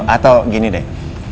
atau gini deh